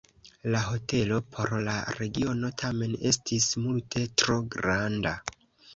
La hotelo por la regiono tamen estis multe tro granda.